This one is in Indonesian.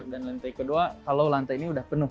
dan lantai kedua kalau lantai ini udah penuh